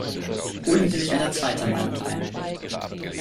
Holen Sie sich eine zweite Meinung ein!